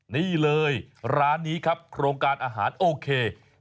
นี่เลยร้านนี้ครับโครงการอาหารโอเค